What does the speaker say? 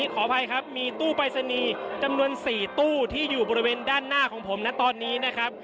ขออภัยครับมีตู้ปรายศนีย์จำนวน๔ตู้ที่อยู่บริเวณด้านหน้าของผมนะตอนนี้นะครับ